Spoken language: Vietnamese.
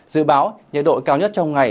dự báo nhiệt độ cao nhất trong ngày